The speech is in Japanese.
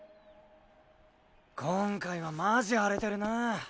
今回はマジ荒れてるな。